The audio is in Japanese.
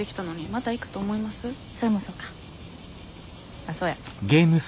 あっそうや。